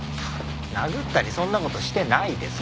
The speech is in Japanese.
殴ったりそんな事してないです。